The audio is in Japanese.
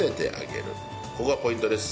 ここがポイントです。